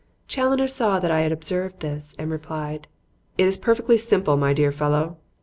Challoner saw that I had observed this and replied: "It is perfectly simple, my dear fellow.